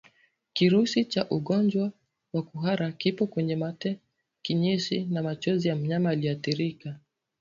Kirusi cha ugonjwa wakuhara kipo kwenye mate kinyesi na machozi ya mnyama aliyeathirika